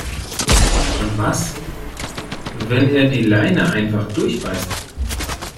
Und was, wenn er die Leine einfach durchbeißt?